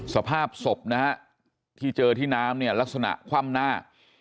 สภาพศพนะฮะที่เจอที่น้ำเนี่ยลักษณะคว่ำหน้า